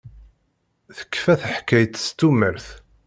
Tekfa teḥkayt s tumert.